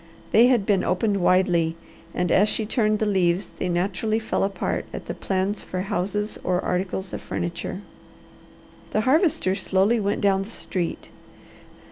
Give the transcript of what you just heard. They had been opened widely, and as she turned the leaves they naturally fell apart at the plans for houses or articles of furniture. The Harvester slowly went down the street.